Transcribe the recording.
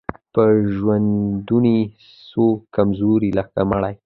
په ژوندوني سو کمزوری لکه مړی